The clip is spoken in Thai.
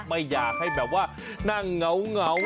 ไม่อยากให้แบบว่านั่งเหงา